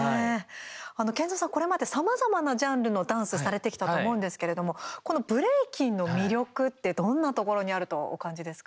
ＫＥＮＺＯさん、これまでさまざまなジャンルのダンスされてきたと思うんですけれどもこのブレイキンの魅力ってどんなところにあるとお感じですか？